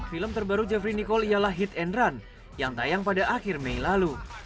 film terbaru jeffrey nicole ialah hit and run yang tayang pada akhir mei lalu